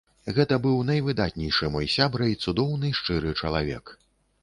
Гэта быў найвыдатнейшы мой сябра і цудоўны, шчыры чалавек.